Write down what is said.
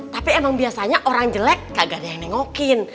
tapi emang biasanya orang jelek kagak ada yang nengokin